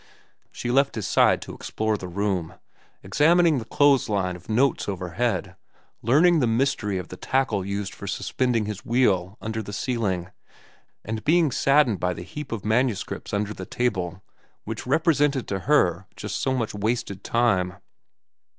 She left his side to explore the room, examining the clothes lines of notes overhead, learning the mystery of the tackle used for suspending his wheel under the ceiling, and being saddened by the heap of manuscripts under the table which represented to her just so much wasted time.